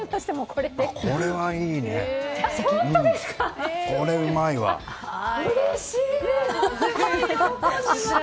これうまいわ。